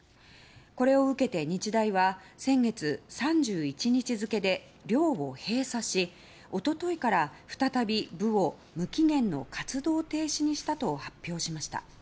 これを受けて日大は先月３１日付で寮を閉鎖し一昨日から再び、部を無期限の活動停止にしたと発表しました。